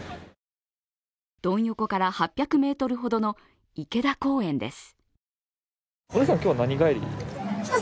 ドン横から８００ｍほどの池田公園です。